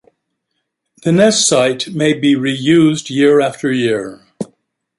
The nest site may be reused year after year.